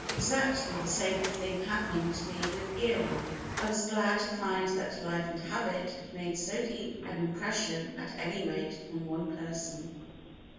Exactly the same thing happened to me with Erewhon. I was glad to find that Life and Habit had made so deep an impression at any rate upon one person.